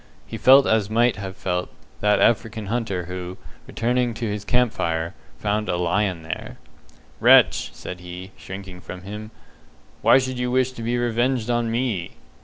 He felt as might have felt that African hunter who, returning to his camp fire, found a lion there. "Wretch!" said he, shrinking from him, "why should you wish to be revenged on me?"